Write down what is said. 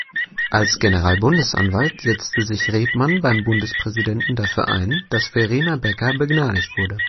Als Generalbundesanwalt setzte sich Rebmann beim Bundespräsidenten dafür ein, dass Verena Becker begnadigt wurde.